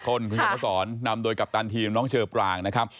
คุณผู้ชำนาฬสรรค์นำโดยกัปตันทีมน้องเชอปรากนะครับ